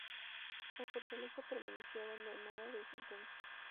La fortaleza permaneció abandonada desde entonces.